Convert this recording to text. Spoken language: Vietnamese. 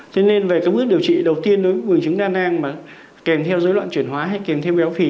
thế nên về cái bước điều trị đầu tiên đối với bùn trứng đa năng mà kèm theo dối loạn chuyển hóa hay kèm theo béo phì